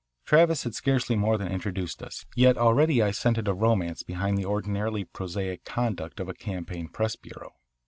Travis had scarcely more than introduced us, yet already I scented a romance behind the ordinarily prosaic conduct of a campaign press bureau.